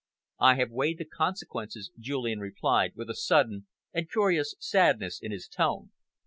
"I have weighed the consequences," Julian replied, with a sudden and curious sadness in his tone.